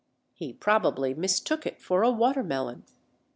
He probably mistook it for a water melon.